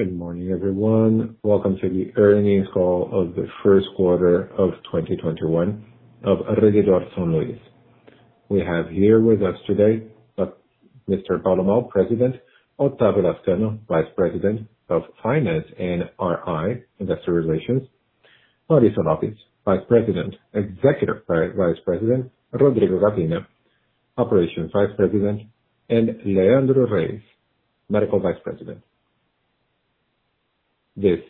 Good morning, everyone. Welcome to the earnings call of the first quarter of 2021 of Rede D'Or São Luiz. We have here with us today, Mr. Paulo Moll, President. Otávio Lazcano, Vice President of Finance and RI, Investor Relations. Marisa Martins, Executive Vice President. Rodrigo Gavina, Operations Vice President, and Leandro Reis, Medical Vice President. This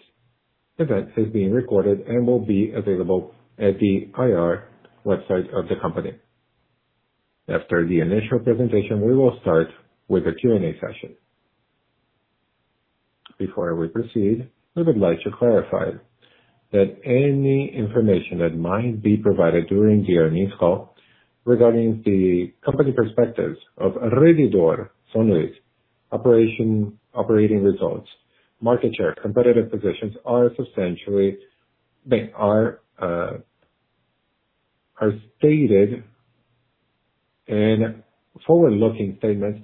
event is being recorded and will be available at the IR website of the company. After the initial presentation, we will start with the Q&A session. Before we proceed, we would like to clarify that any information that might be provided during the earnings call regarding the company perspectives of Rede D'Or São Luiz operating results, market share, competitive positions are stated in forward-looking statements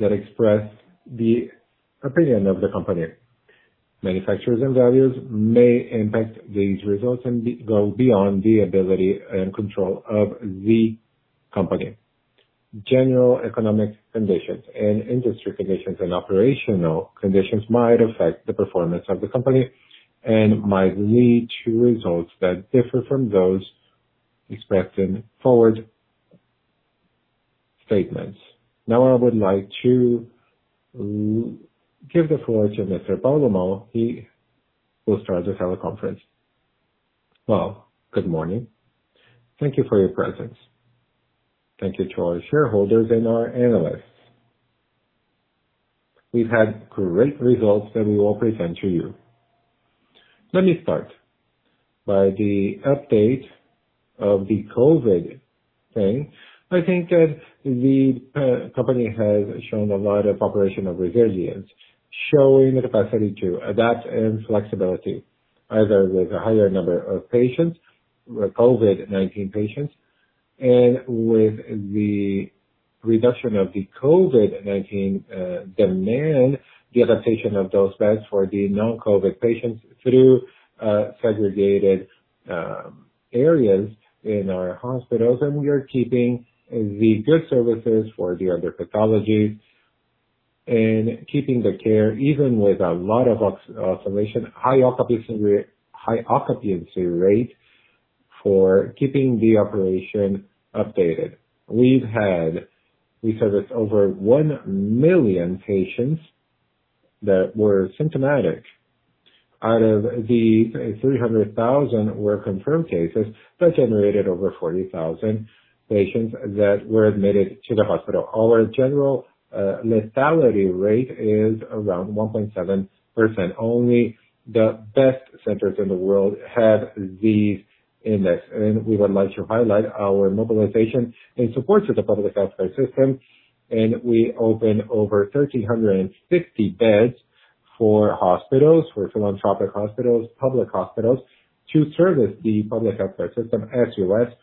that express the opinion of the company. Factors and values may impact these results and go beyond the ability and control of the company. General economic conditions and industry conditions and operational conditions might affect the performance of the company and might lead to results that differ from those expected forward statements. Now, I would like to give the floor to Mr. Paulo Moll. He will start this teleconference. Well, good morning. Thank you for your presence. Thank you to our shareholders and our analysts. We've had great results that we will present to you. Let me start by the update of the COVID-19. I think that the company has shown a lot of operational resilience, showing the capacity to adapt and flexibility, either with a higher number of patient, of COVID-19 patients and with the reduction of the COVID-19 demand, the allocation of those beds for the non-COVID patients through segregated areas in our hospitals. We are keeping the good services for the other pathologies and keeping the care, even with a lot of automation, high occupancy rates for keeping the operation updated. We said that over one million patients that were symptomatic. Out of the, 300,000 were confirmed cases that generated over 40,000 patients that were admitted to the hospital. Our general lethality rate is around 1.7%. Only the best centers in the world have these index. We would like to highlight our mobilization in support to the public health care system, and we opened over 1,350 beds for hospitals, for philanthropic hospitals, public hospitals to service the public health care system. As you asked,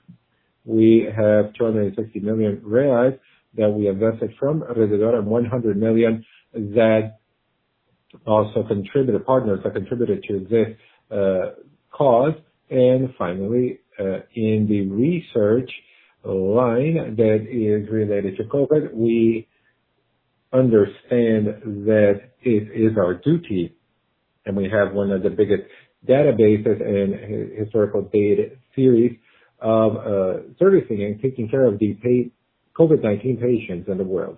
we have 260 million reais that we invested from Rede D'Or and 100 million that also contributed, partners have contributed to this cause. Finally, in the research line that is related to COVID, we understand that it is our duty, and we have one of the biggest databases and historical data series of servicing and taking care of the COVID-19 patients in the world.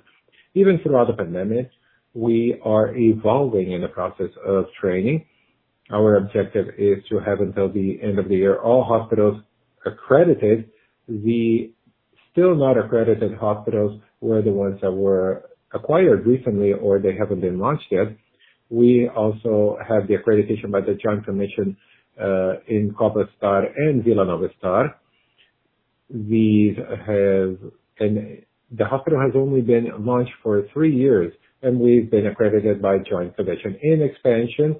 Even throughout the pandemic, we are evolving in the process of training. Our objective is to have, until the end of the year, all hospitals accredited. The still not accredited hospitals were the ones that were acquired recently, or they haven't been launched yet. We also have the accreditation by The Joint Commission, in Copa Star and Vila Nova Star. The hospital has only been launched for three years, and we've been accredited by Joint Commission. In expansion,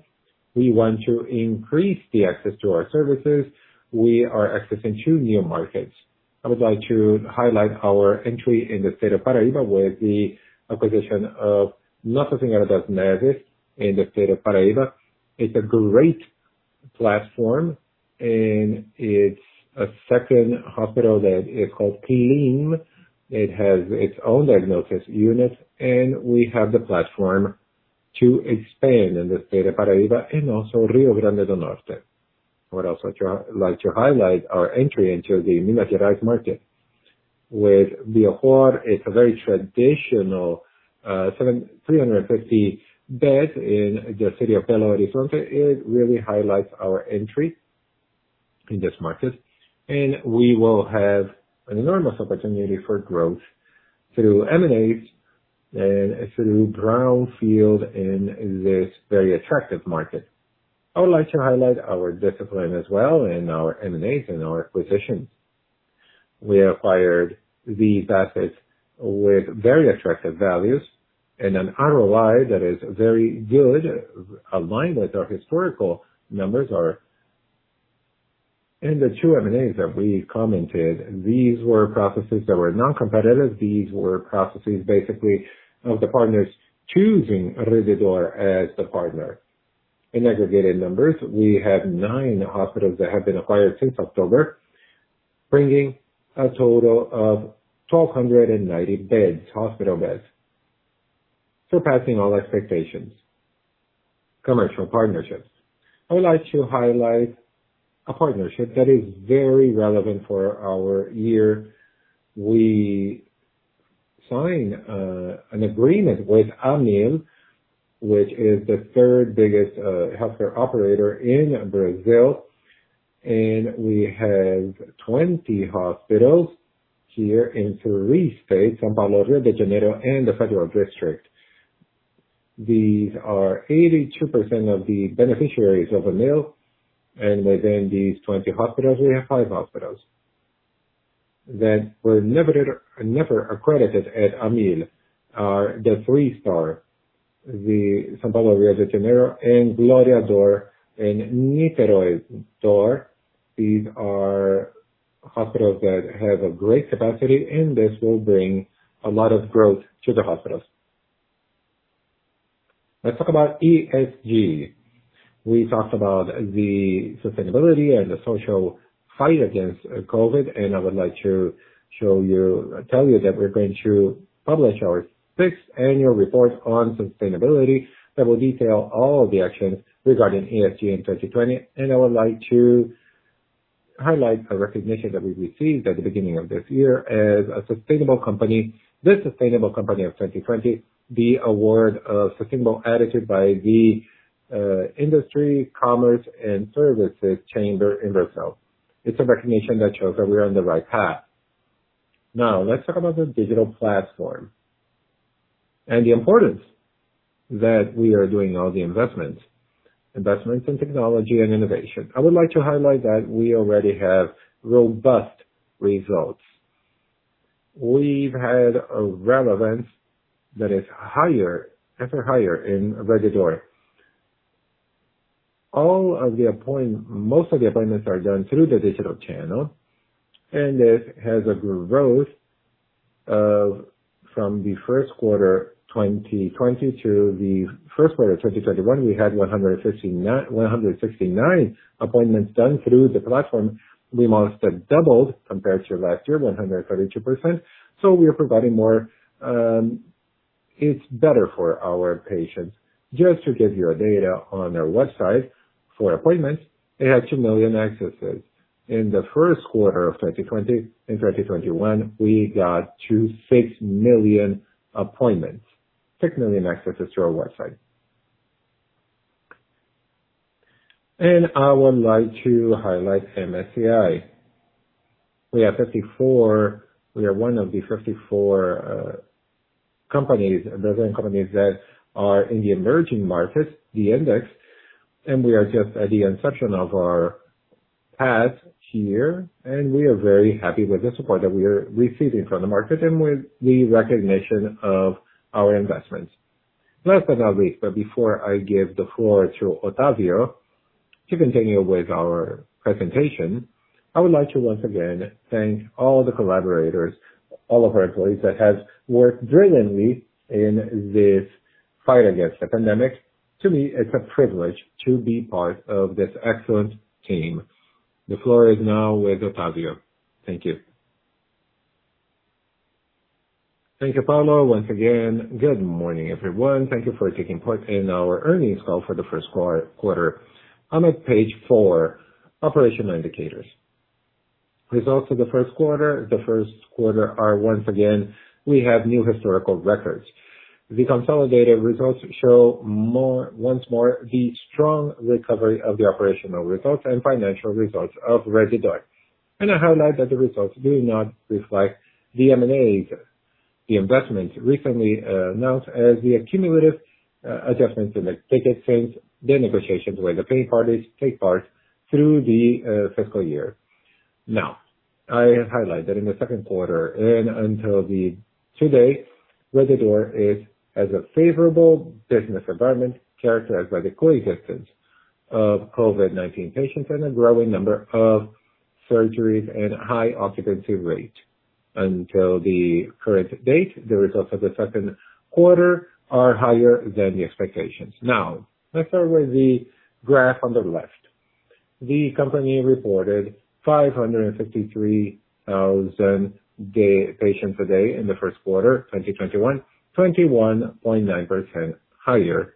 we want to increase the access to our services. We are accessing two new markets. I would like to highlight our entry in the state of Paraíba with the acquisition of Nossa Senhora das Neves in the state of Paraíba. It's a great platform, and it's a second hospital that is called [Clim]. It has its own diagnosis unit, and we have the platform to expand in the state of Paraíba and also Rio Grande do Norte. I would also like to highlight our entry into the Minas Gerais market with Biocor. It's a very traditional 350 beds in the city of Belo Horizonte. It really highlights our entry in this market. We will have enormous opportunity for growth through M&A and through brownfield in this very attractive market. I would like to highlight our discipline as well in our M&A and our acquisitions. We acquired these assets with very attractive values and an ROI that is very good, aligned with our historical numbers. In the two M&As that we commented, these were processes that were non-competitive. These were processes basically of the partners choosing Rede D'Or as the partner. In aggregated numbers, we have nine hospitals that have been acquired since October, bringing a total of 1,290 hospital beds, surpassing all expectations. Commercial partnerships. I'd like to highlight a partnership that is very relevant for our year. We signed an agreement with Amil, which is the third biggest healthcare operator in Brazil, and we have 20 hospitals here in three states, São Paulo, Rio de Janeiro, and the Federal District. These are 82% of the beneficiaries of Amil, and within these 20 hospitals, we have five hospitals that were never accredited at Amil, are the 3-star, the São Paulo, Rio de Janeiro, and Glória D'Or in Niterói D'Or. These are hospitals that have a great capacity, and this will bring a lot of growth to the hospitals. Let's talk about ESG. We talked about the sustainability and the social fight against COVID, and I would like to tell you that we're going to publish our sixth annual report on sustainability that will detail all the actions regarding ESG in 2020. I would like to highlight a recognition that we received at the beginning of this year as The Sustainable Company of 2020, the award of Sustainable Attitude by the Industry, Commerce, and Services Chamber in Brazil. It's a recognition that shows that we're on the right path. Now, let's talk about the digital platform and the importance that we are doing all the investment. Investments in technology and innovation. I would like to highlight that we already have robust results. We've had a relevance that is higher, ever higher in Rede D'Or. All of the appoint, most of the appointments are done through the digital channel, and this has a growth from the first quarter 2020 to the first quarter 2021. We had 169 appointments done through the platform. We almost have doubled compared to last year, 132%. We are providing more. It's better for our patients. Just to give you a data on our website for appointments, it had two million accesses. In the first quarter of 2020 and 2021, we got to six million appointments, six million accesses to our website. I would like to highlight MSCI. We are one of the 54 companies, dozen companies that are in the emerging market, the index, and we are just at the inception of our path here, and we are very happy with the support that we are receiving from the market and with the recognition of our investments. Last but not least, but before I give the floor to Otávio to continue with our presentation, I would like to once again thank all the collaborators, all of our employees that have worked brilliantly in this fight against the pandemic. To me, it's a privilege to be part of this excellent team. The floor is now with Otávio. Thank you. Thank you, Paulo. Once again, good morning, everyone. Thank you for taking part in our earnings call for the first quarter. I'm at page four, operational indicators. Results for the first quarter. The first quarter are, once again, we have new historical records. The consolidated results show once more the strong recovery of the operational results and financial results of Rede D'Or. I highlight that the results do not reflect the M&A either. The investment recently announced as the accumulative adjustment to next ticket streams, the negotiations where the paying parties take part through the fiscal year. Now, I highlight that in the second quarter and until today, Rede D'Or is as a favorable business environment characterized by the coexistence of COVID-19 patients and a growing number of surgeries and high occupancy rate. Until the current date, the results of the second quarter are higher than the expectations. Now, let's start with the graph on the left. The company reported 553,000 patients a day in the first quarter of 2021, 21.9% higher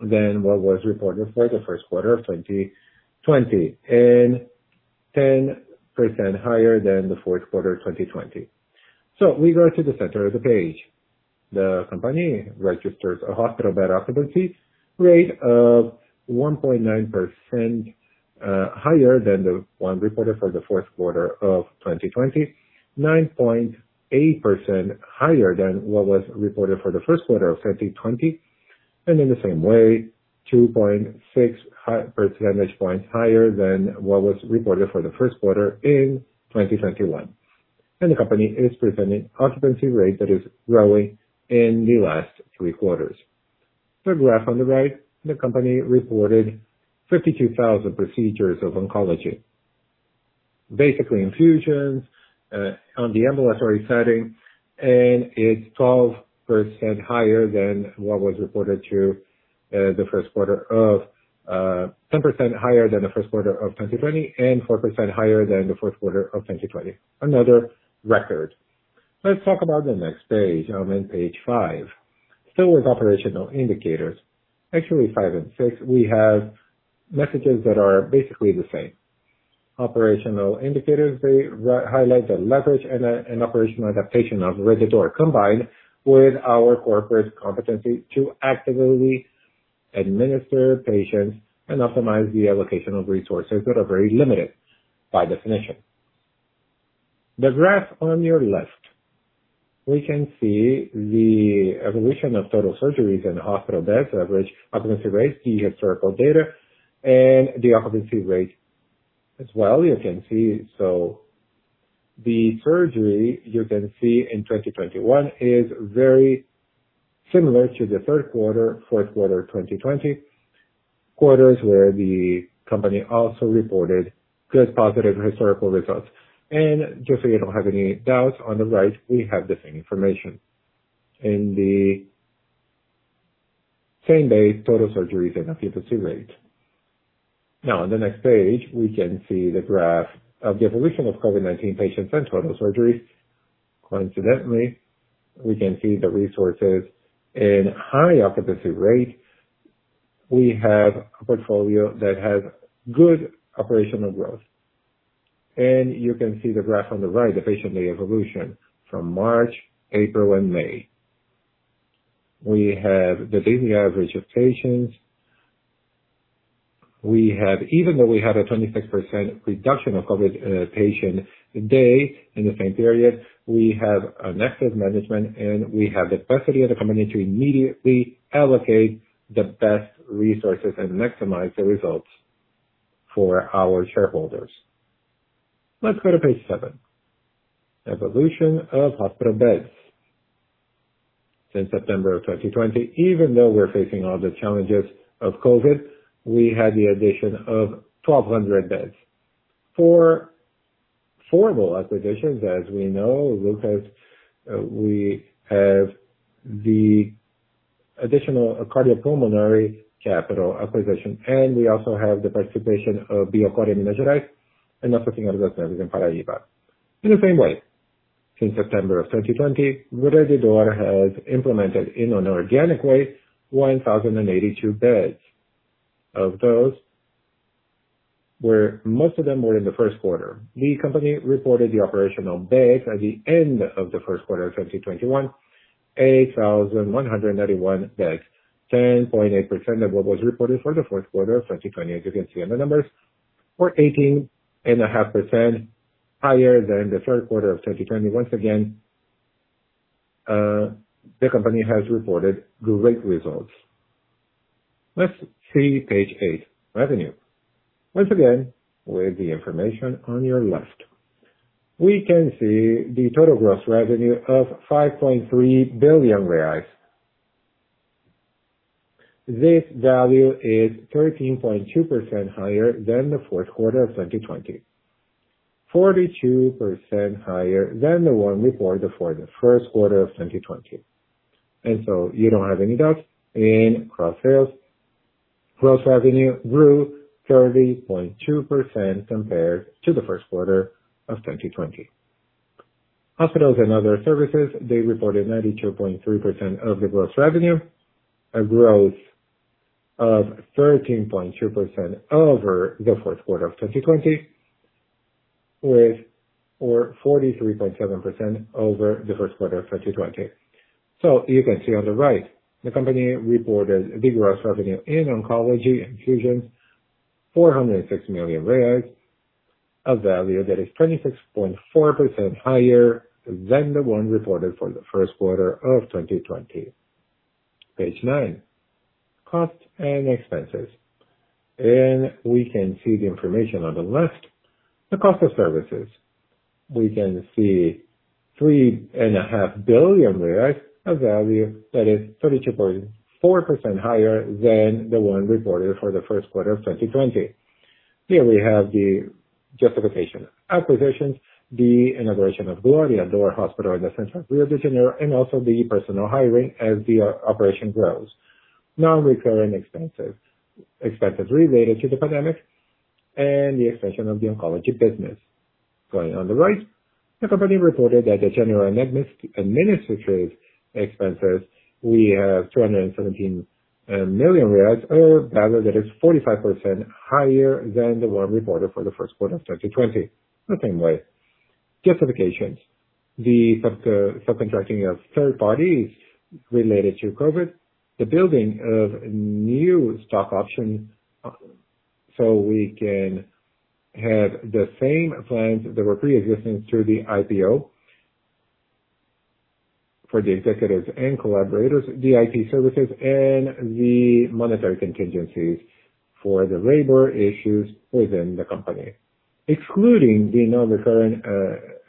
than what was reported for the first quarter of 2020, and 10% higher than the fourth quarter of 2020. We go to the center of the page. The company registered a hospital bed occupancy rate of 1.9% higher than the one reported for the fourth quarter of 2020, 9.8% higher than what was reported for the first quarter of 2020, and in the same way, 2.6 percentage points higher than what was reported for the first quarter in 2021. The company is presenting occupancy rate that is growing in the last three quarters. The graph on the right, the company reported 52,000 procedures of oncology. Basically infusions, on the ambulatory setting, and it's 12% higher than what was reported to the first quarter of 10% higher than the first quarter of 2020 and 4% higher than the fourth quarter of 2020. Another record. Let's talk about the next page. Now then, page five. Still with operational indicators. Actually, five and six, we have messages that are basically the same. Operational indicators, they highlight the leverage and operational adaptation of Rede D'Or, combined with our corporate competency to actively administer patients and optimize the allocation of resources that are very limited by definition. The graph on your left, we can see the evolution of total surgeries and hospital beds average occupancy rates, the historical data, and the occupancy rate as well, you can see. The surgery, you can see in 2021 is very similar to the third quarter, fourth quarter 2020, quarters where the company also reported good positive historical results. Just so you don't have any doubts, on the right, we have the same information in the same-day total surgeries and occupancy rate. In the next page, we can see the graph of the evolution of COVID-19 patients and total surgeries. Coincidentally, we can see the resources and high occupancy rates. We have a portfolio that has good operational growth. You can see the graph on the right, the patient daily evolution from March, April, and May. We have the daily average of patients. Even though we had a 26% reduction of COVID patients today in the same period, we have an excess management, and we have the capacity of the company to immediately allocate the best resources and maximize the results for our shareholders. Let's go to page seven. Evolution of hospital beds. Since September of 2020, even though we're facing all the challenges of COVID, we had the addition of 1,200 beds. For formal acquisitions, as we know, we have the additional cardiopulmonary capital acquisition, and we also have the participation of Biocor in Minas Gerais and Paraíba. In the same way, since September of 2020, Rede D'Or has implemented in an organic way 1,082 beds. Of those, most of them were in the first quarter. The company reported the operational beds at the end of the first quarter of 2021, 8,191 beds, 10.8% of what was reported for the fourth quarter of 2020. As you can see on the numbers, we're 18.5% higher than the third quarter of 2020. Once again, the company has reported great results. Let's see page eight, revenue. Once again, with the information on your left. We can see the total gross revenue of 5.3 billion reais. This value is 13.2% higher than the fourth quarter of 2020, 42% higher than the one reported for the first quarter of 2020. You don't have any doubts in cross sales. Gross revenue grew 30.2% compared to the first quarter of 2020. Hospitals and other services, they reported 92.3% of the gross revenue, a growth of 13.2% over the fourth quarter of 2020, with or 43.7% over the first quarter of 2020. You can see on the right, the company reported the gross revenue in oncology infusion, 406 million, a value that is 26.4% higher than the one reported for the first quarter of 2020. Page nine, costs and expenses. We can see the information on the left, the cost of services. We can see BRL 3.5 billion, a value that is 32.4% higher than the one reported for the first quarter of 2020. Here we have the justification acquisitions, the integration of Glória D'Or hospital, the central Rio de Janeiro, and also the personal hiring as the operation grows. Non-recurring expenses. Expenses related to the pandemic and the expansion of the oncology business. Going on the right, the company reported that the general and administrative expenses, we have 217 million reais, a value that is 45% higher than the one reported for the first quarter of 2020. The same way, justifications. The subcontracting of third parties related to COVID, the building of new stock options so we can have the same plans that were preexisting to the IPO for the executives and collaborators, the IT services, and the monetary contingencies for the labor issues within the company. Excluding the non-recurring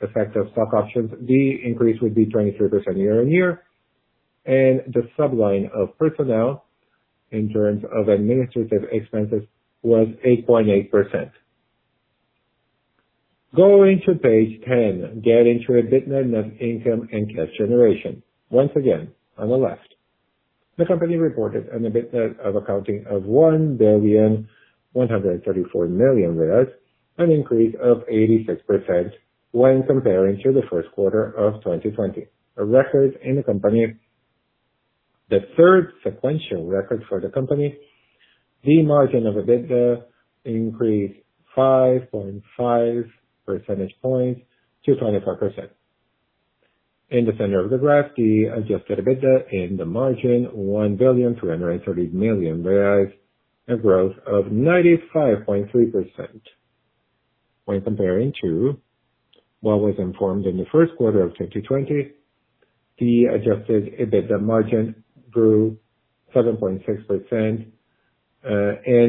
effect of stock options, the increase would be 23% year-on-year. The sub-line of personnel in terms of administrative expenses was 8.8%. Going to page 10, getting to EBITDA, net income and cash generation. Once again, on the left. The company reported an EBITDA of accounting of 1.134 billion, an increase of 86% when comparing to the first quarter of 2020, a record in the company. The third sequential record for the company. The margin of EBITDA increased 5.5 percentage points to 25%. In the center of the graph, the adjusted EBITDA and the margin 1.330 billion, a growth of 95.3% when comparing to what was informed in the first quarter of 2020. The adjusted EBITDA margin grew 7.6%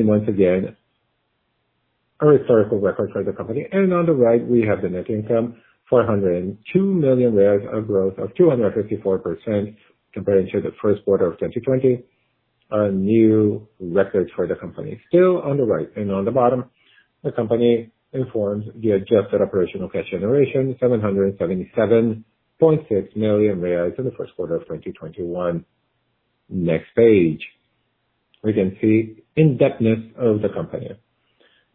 once again, a historical record for the company. On the right, we have the net income, 402 million reais, a growth of 254% compared to the first quarter of 2020. A new record for the company. Still on the right on the bottom, the company informs the adjusted operational cash generation, 777.6 million reais in the first quarter of 2021. Next page. We can see indebtedness of the company.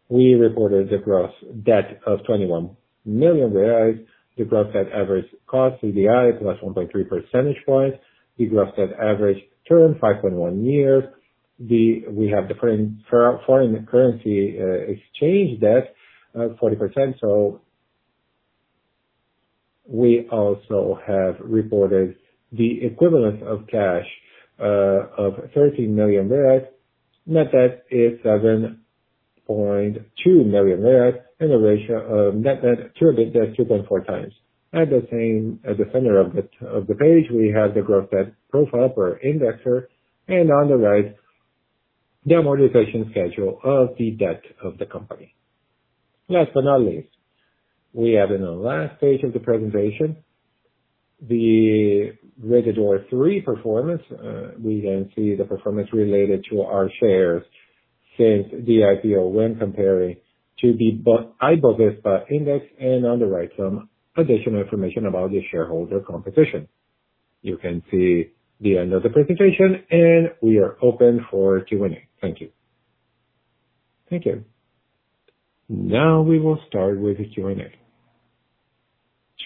We reported the gross debt of 21 million reais. The gross debt average cost CDI plus 1.3 percentage points. The gross debt average term 5.1 years. We have the foreign currency exchange debt, 40%. We also have reported the equivalent of cash, of BRL 30 million. Net debt is BRL 7.2 million and a ratio of net debt to EBITDA 2.4 times. At the center of the page, we have the gross debt profile per investor and on the right, the amortization schedule of the debt of the company. Last but not least, we have in the last page of the presentation the Rede D'Or 3 performance. We can see the performance related to our shares since the IPO when comparing to the IBOVESPA index and on the right some additional information about the shareholder composition. You can see the end of the presentation, and we are open for Q&A. Thank you. Thank you. Now, we will start with the Q&A.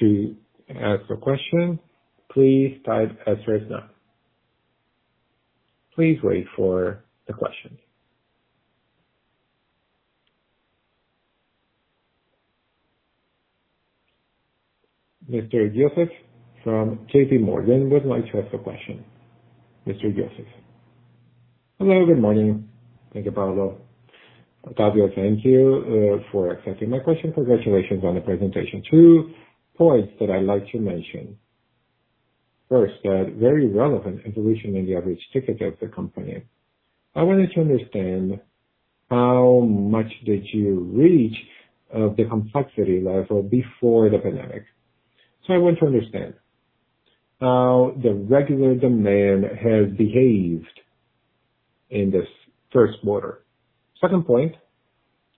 To ask a question, please type asterisk now. Please wait for the question. Mr. Joseph from JPMorgan would like to ask a question. Mr. Joseph. Hello, good morning. Thank you, Paulo. Otávio, thank you for accepting my question. Congratulations on the presentation. Two points that I'd like to mention. First, a very relevant evolution in the average ticket of the company. I wanted to understand how much did you reach of the complexity level before the pandemic. I want to understand how the regular demand has behaved in this first quarter. Second point,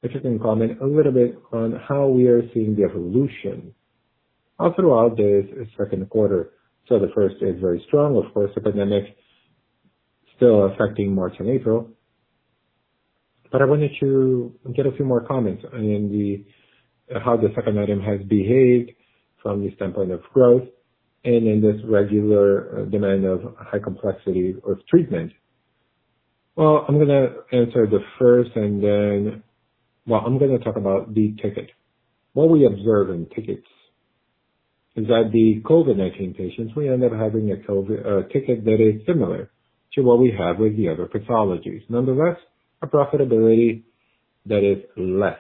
if you can comment a little bit on how we are seeing the evolution all throughout the second quarter. The first is very strong. Of course, the pandemic still affecting more to April. I wanted to get a few more comments on how the second item has behaved from the standpoint of growth and in this regular demand of high complexity of treatment. Well I'm going to answer the first. I'm going to talk about the ticket. What we observe in tickets is that the COVID-19 patients, we end up having a ticket that is similar to what we have with the other pathologies. Nonetheless, a profitability that is less.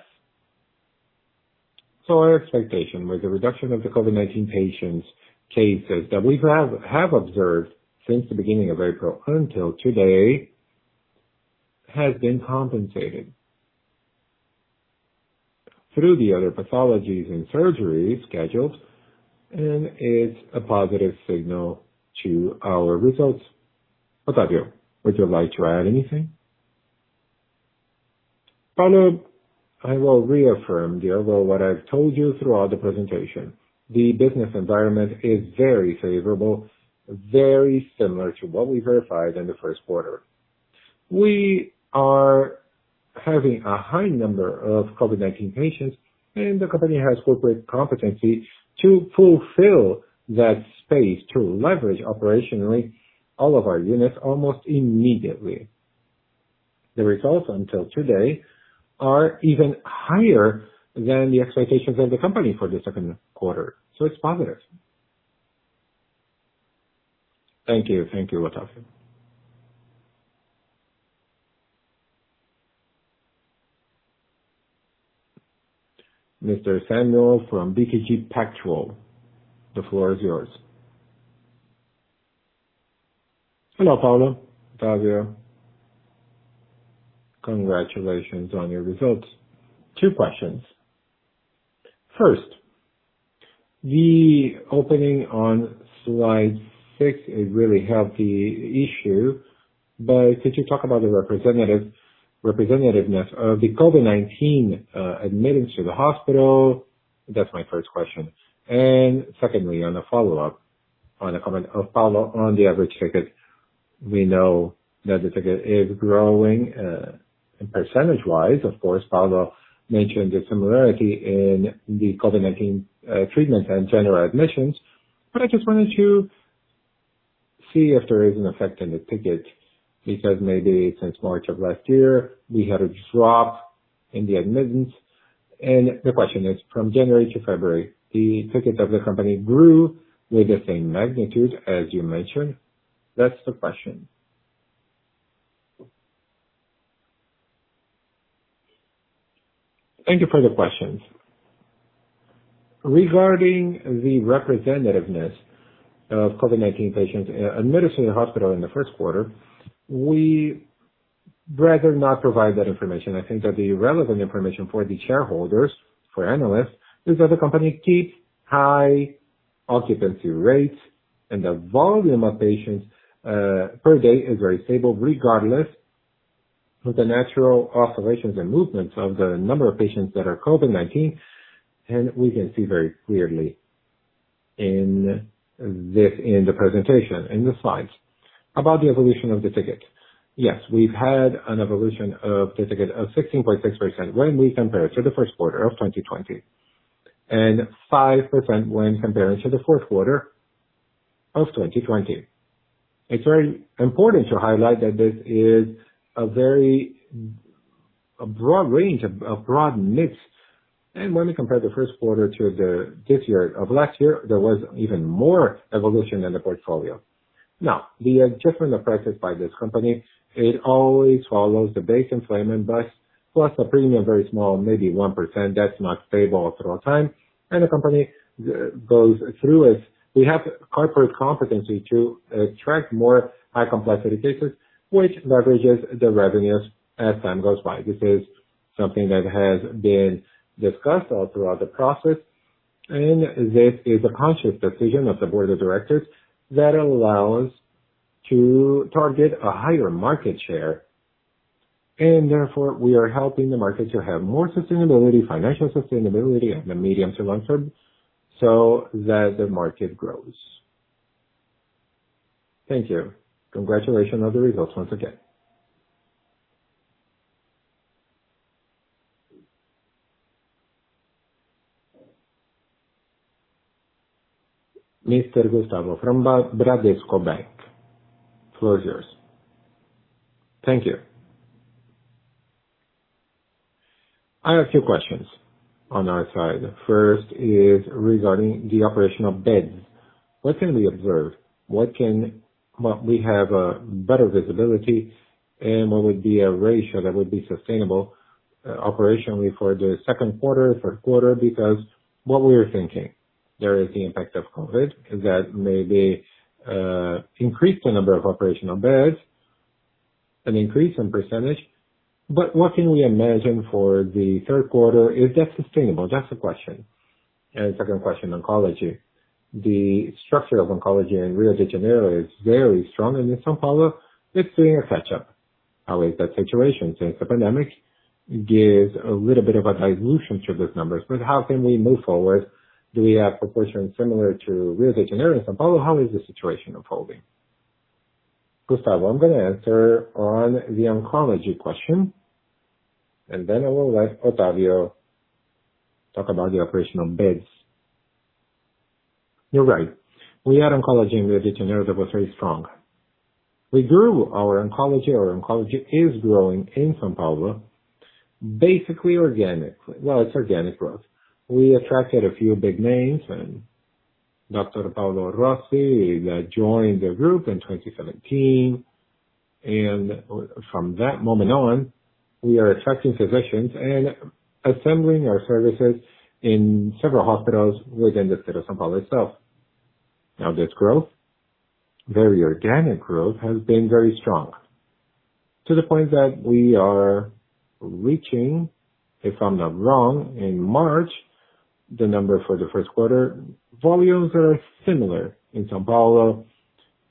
Our expectation with the reduction of the COVID-19 patients cases that we have observed since the beginning of April until today has been compensated through the other pathologies and surgery schedules, and it's a positive signal to our results. Otávio, would you like to add anything? Paulo, I will reaffirm here what I've told you throughout the presentation. The business environment is very favorable, very similar to what we verified in the first quarter. We are having a high number of COVID-19 patients, and the company has corporate competency to fulfill that space, to leverage operationally all of our units almost immediately. The results until today are even higher than the expectations of the company for the second quarter. It's positive. Thank you. Thank you, Otávio. Mr. Samuel from BTG Pactual, the floor is yours. Hello, Paulo. Otávio. Congratulations on your results. Two questions. First, the opening on slide six, a really healthy issue, but could you talk about the representativeness of the COVID-19 admittance to the hospital? That's my first question. Secondly, on a follow-up, on a comment of Paulo on the average ticket, we know that the ticket is growing, and percentage-wise, of course, Paulo mentioned the similarity in the COVID-19 treatment and general admissions. I just wanted to see if there is an effect on the ticket, because maybe since March of last year, we had a drop in the admittance. The question is, from January to February, the ticket of the company grew with the same magnitude as you mentioned? That's the question. Thank you for the questions. Regarding the representativeness of COVID-19 patients admitted to the hospital in the first quarter, we'd rather not provide that information. I think that the relevant information for the shareholders, for analysts, is that the company keeps high occupancy rates and the volume of patients per day is very stable, regardless of the natural oscillations and movements of the number of patients that are COVID-19, and we can see very clearly in the presentation, in the slides. About the evolution of the ticket. Yes, we've had an evolution of the ticket of 16.6% when we compare to the first quarter of 2020, and 5% when comparing to the fourth quarter of 2020. It's very important to highlight that this is a very broad range, a broad mix. When we compare the first quarter to this year or last year, there was even more evolution in the portfolio. Now, the adjustment practiced by this company, it always follows the base inflation plus a premium, very small, maybe 1%, that's not stable throughout time, and the company goes through it. We have corporate competency to attract more high-complexity cases, which leverages the revenues as time goes by. This is something that has been discussed all throughout the process, this is a conscious decision of the board of directors that allows to target a higher market share. Therefore, we are helping the market to have more sustainability, financial sustainability on the medium to long term, so that the market grows. Thank you. Congratulations on the results once again. Mr. Gustavo from Bradesco Bank, the floor is yours. Thank you. I have two questions on our side. First is regarding the operational beds. What can we observe? What can we have a better visibility, and what would be a ratio that would be sustainable operationally for the second quarter, third quarter? Because what we are thinking, there is the impact of COVID-19, is that maybe increase the number of operational beds, an increase in percentage. What can we imagine for the third quarter? Is that sustainable? That's the question. Second question, oncology. The structure of oncology in Rio de Janeiro is very strong, and in São Paulo, it's doing a catch-up. How is that situation since the pandemic gives a little bit of a dilution to those numbers? How can we move forward? Do we have proportions similar to Rio de Janeiro and São Paulo? How is the situation unfolding? Gustavo, I'm going to answer on the oncology question, then I will let Otávio talk about the operational beds. You're right. We had oncology in Rio de Janeiro that was very strong. We grew our oncology. Our oncology is growing in São Paulo, basically organic. Well, it's organic growth. We attracted a few big names. Dr. Paulo Rossi joined the group in 2017. From that moment on, we are attracting physicians and assembling our services in several hospitals within the city of São Paulo itself. This growth, very organic growth, has been very strong, to the point that we are reaching, if I'm not wrong, in March, the number for the first quarter, volumes are similar in São Paulo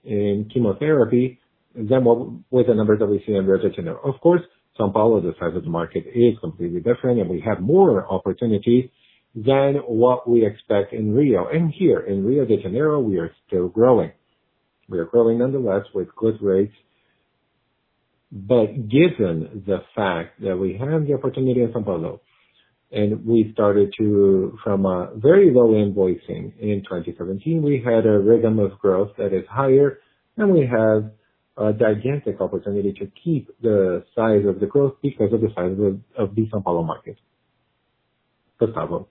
in chemotherapy than with the numbers that we see in Rio de Janeiro. Of course, São Paulo, the size of the market is completely different, and we have more opportunity than what we expect in Rio. Here in Rio de Janeiro, we are still growing. We are growing, nonetheless, with good rates. Given the fact that we have the opportunity in São Paulo, and we started to from a very low invoicing in 2017, we had a rhythm of growth that is higher, and we have a gigantic opportunity to keep the size of the growth because of the size of the São Paulo market. Gustavo,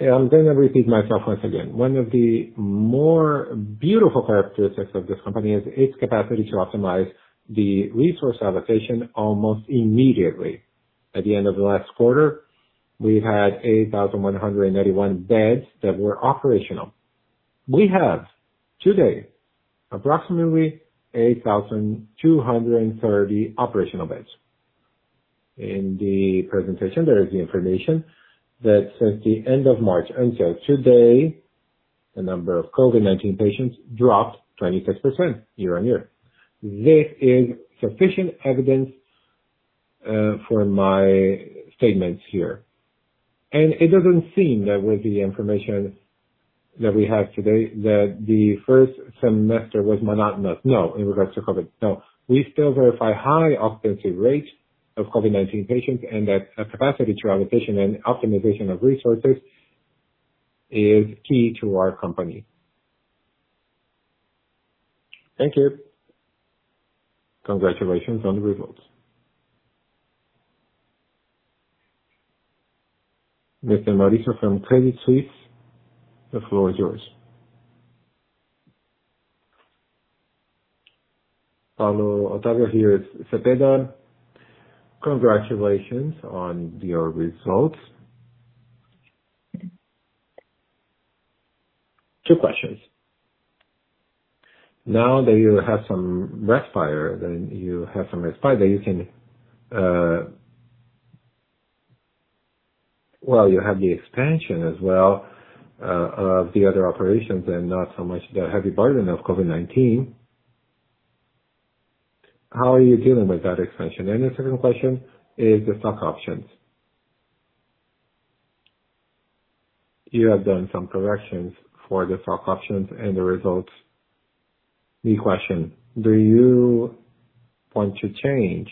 I'm going to repeat myself once again. One of the more beautiful characteristics of this company is its capacity to optimize the resource allocation almost immediately. At the end of last quarter, we had 8,181 beds that were operational. We have today approximately 8,230 operational beds. In the presentation, there is the information that since the end of March until today, the number of COVID-19 patients dropped 26% year-on-year. This is sufficient evidence for my statements here. It doesn't seem that with the information that we have today that the first semester was monotonous, no, in regards to COVID, no. We still verify high occupancy rate of COVID-19 patients and that a capacity through allocation and optimization of resources is key to our company. Thank you. Congratulations on the results. Mr. Mauricio from Credit Suisse, the floor is yours. [Paulo Octavio] here at Cepeda. Congratulations on your results. Two questions. Now that you have some respite, then you have some respite day, well, you have the expansion as well of the other operations and not so much the heavy burden of COVID-19. How are you dealing with that expansion? The second question is the stock options. You have done some corrections for the stock options and the results. The question, do you want to change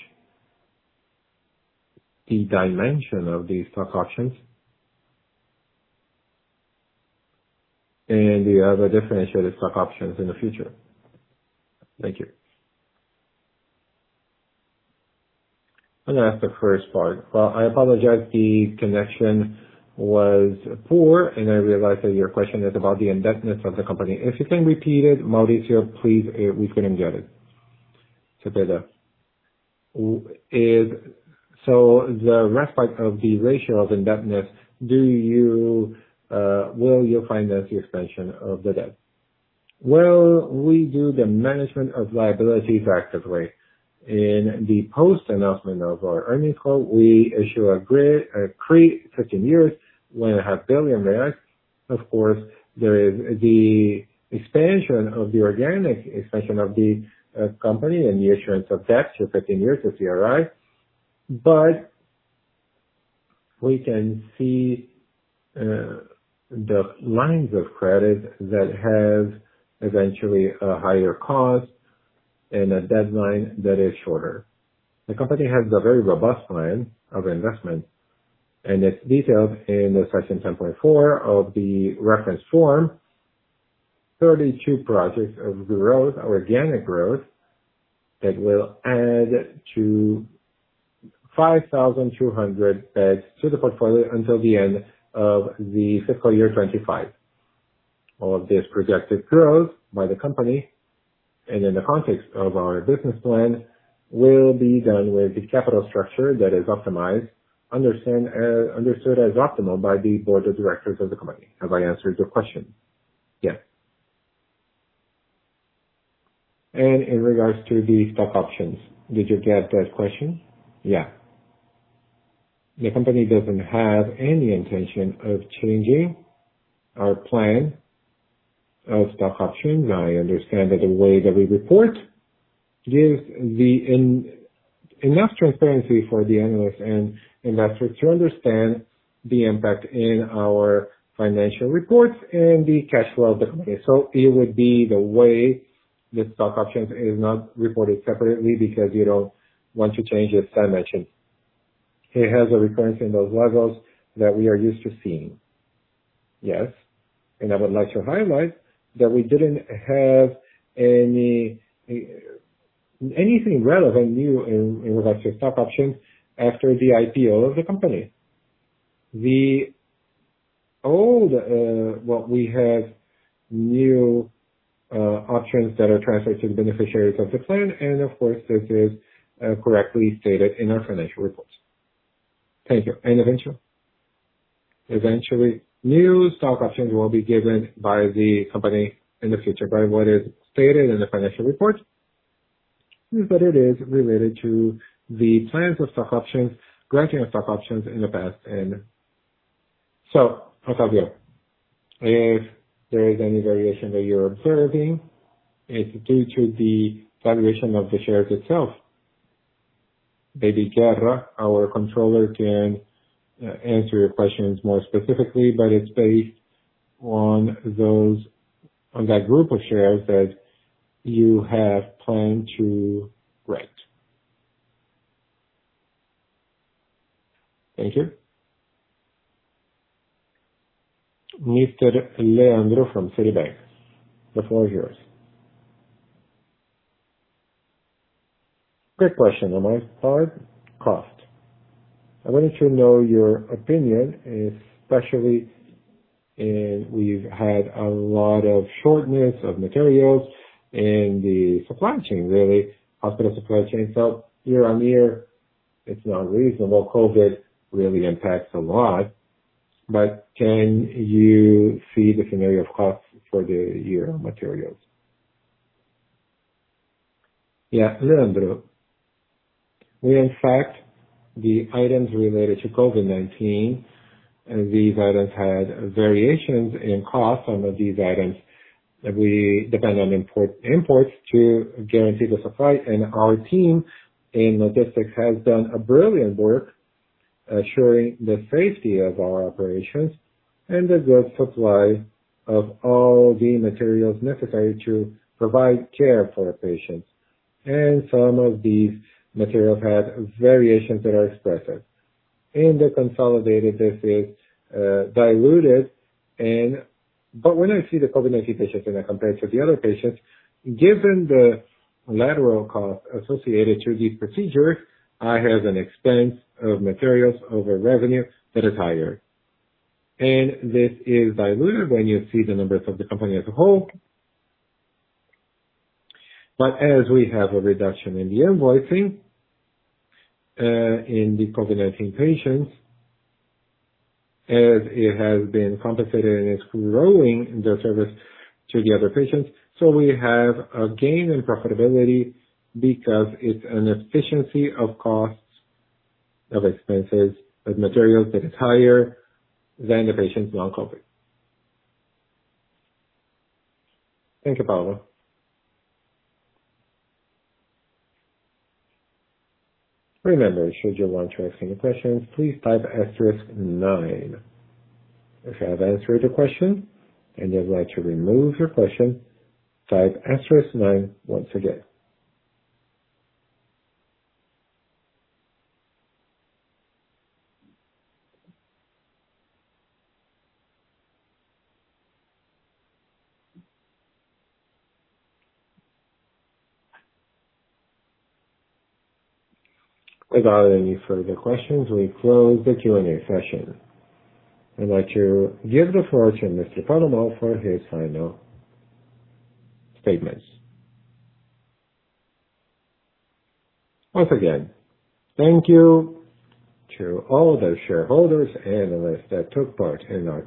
the dimension of these stock options? Do you have a differentiated stock options in the future? Thank you. That's the first part. Well, I apologize the connection was poor, and I realize that your question is about the indebtedness of the company. If you can repeat it, Mauricio, please, we couldn't get it. Cepeda. The respite of the ratio of indebtedness, will you finance the expansion of the debt? Well, we do the management of liability effectively. In the post-announcement of our earnings call, we issue a CRI 15 years, 1.5 billion. Of course, there is the expansion of the organic expansion of the company and the issuance of debt to 15 years of CRI. We can see the lines of credit that have eventually a higher cost and a deadline that is shorter. The company has a very robust plan of investment. It's detailed in the section 10.4 of the reference form, 32 projects of growth, organic growth, that will add to 5,200 beds to the portfolio until the end of the fiscal year 2025. All of this projected growth by the company and in the context of our business plan, will be done with the capital structure that is optimized, understood as optimal by the board of directors of the company. Have I answered your question? Yes. In regards to the stock options, did you get that question? Yeah. The company doesn't have any intention of changing our plan of stock options. I understand that the way that we report gives enough transparency for the analysts and investors to understand the impact in our financial reports and the cash flow of the company. It would be the way the stock options is not reported separately because we don't want to change its dimension. It has a recurrence in those levels that we are used to seeing. Yes, I would like to highlight that we didn't have anything relevant new in regards to stock options after the IPO of the company. What we have new options that are transferred to the beneficiaries of the plan, of course, this is correctly stated in our financial reports. Thank you. Eventually, new stock options will be given by the company in the future, what is stated in the financial reports, it is related to the plans of stock options, granting of stock options in the past. Otávio, if there is any variation that you're observing, it's due to the valuation of the shares itself. Maybe Guerra, our controller, can answer your questions more specifically, it's based on that group of shares that you have planned to grant. Thank you. Mr. Leandro from Citibank, the floor is yours. Quick question on my part, cost. I wanted to know your opinion, especially. We've had a lot of shortness of materials in the supply chain, really. Outside the supply chain itself, year-over-year, it's not reasonable. COVID really impacts a lot. Can you see the scenario of cost for the year materials? Yeah, Leandro. We, in fact, the items related to COVID-19, these items had variations in cost. Some of these items, we depend on imports to guarantee the supply. Our team in logistics has done brilliant work assuring the safety of our operations and the good supply of all the materials necessary to provide care for our patients. Some of these materials had variations that are expressed there. In the consolidated, this is diluted. When I see the COVID-19 patients and I compare to the other patients, given the lateral cost associated to these procedures, I have an expense of materials over revenue that is higher. This is diluted when you see the numbers of the company as a whole. As we have a reduction in the invoicing, in the COVID-19 patients, as it has been compensated and it's growing in the service to the other patients. We have a gain in profitability because it's an efficiency of costs of expenses of materials that is higher than the patients non-COVID. Thank you, Paulo. Remember, should you want to ask any questions, please type asterisk nine. If I have answered your question and you'd like to remove your question, type asterisk nine once again. Without any further questions, we close the Q&A session and let you give the floor to Mr. Paulo Moll for his final statements. Once again, thank you to all the shareholders and analysts that took part in our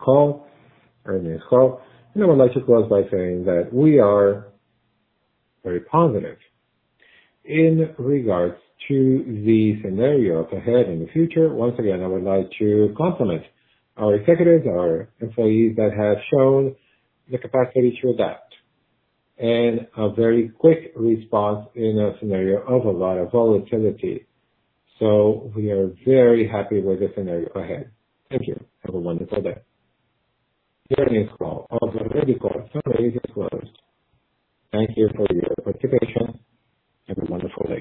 earnings call. I would like to close by saying that we are very confident in regards to the scenario ahead in the future. I would like to compliment our executives, our employees that have shown the capacity to adapt and a very quick response in a scenario of a lot of volatility. We are very happy with the scenario ahead. Thank you. Have a wonderful day. During this call, all the Rede D'Or São Luiz disclosures. Thank you for your participation. Have a wonderful day.